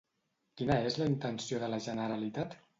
Quina és la intenció de la Generalitat?